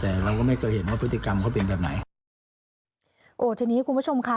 แต่เราก็ไม่เคยเห็นว่าพฤติกรรมเขาเป็นแบบไหนโอ้ทีนี้คุณผู้ชมค่ะ